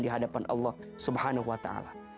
di hadapan allah subhanahu wa ta'ala